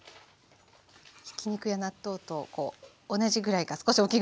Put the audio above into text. ひき肉や納豆とこう同じぐらいか少し大きいぐらいの大きさで。